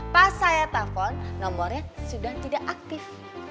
pas saya telepon nomornya sudah tidak aktif